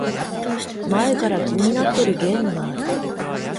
前から気になってるゲームがある